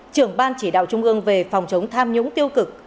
trưởng ban chỉ đạo trung ương về phòng chống tham nhũng tiêu cực